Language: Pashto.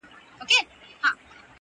چا ته نه ورکول کېږي